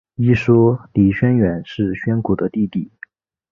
一说李宣远是宣古的弟弟。